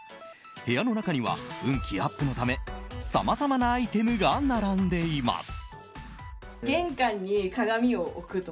部屋の中には運気アップのためさまざまなアイテムが並んでいます。